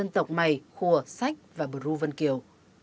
tộc mày khùa sách và bờ ru vân kiều